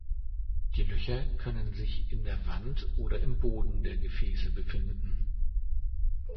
Die Löcher können sich in der Wand oder im Boden der Gefäße befinden.